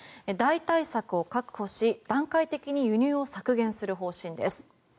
代替策を確保し、段階的に輸入を削減する方針です。